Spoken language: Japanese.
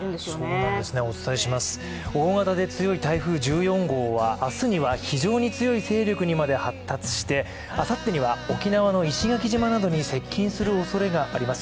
そうなんですね、大型で強い台風１４号は明日には非常に強い勢力にまで発達して、あさってには沖縄の石垣島に接近する可能性があります。